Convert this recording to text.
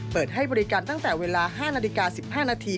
เปิดให้บริการตั้งแต่เวลา๕นาฬิกา๑๕นาที